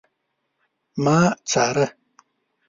ما څاره